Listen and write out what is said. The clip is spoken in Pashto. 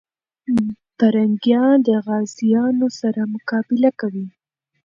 پرنګیان د غازيانو سره مقابله کوي.